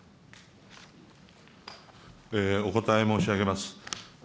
お答え申し上げます。